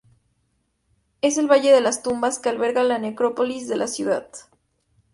Es el valle de las tumbas que alberga la necrópolis de la ciudad.